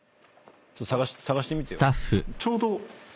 探してみてよ。